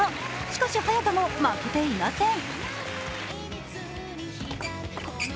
しかし、早田も負けていません。